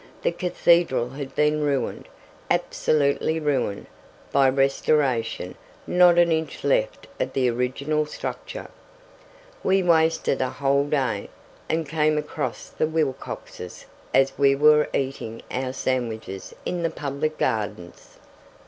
The cathedral had been ruined, absolutely ruined, by restoration; not an inch left of the original structure. We wasted a whole day, and came across the Wilcoxes as we were eating our sandwiches in the public gardens.